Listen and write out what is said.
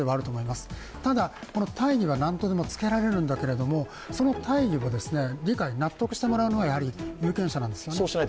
また大義はいくらでもつけられるんだけどその大義を理解、納得してもらうのは有権者なんですよね。